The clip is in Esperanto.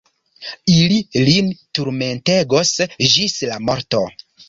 Ili lin turmentegos ĝis la morto.